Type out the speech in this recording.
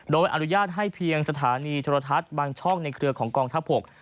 โดยอนุญาตให้เพียงสถานีโทรทัศน์บางช่องในเครือของกองทัพบก